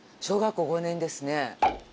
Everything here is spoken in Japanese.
小学校５年ですね。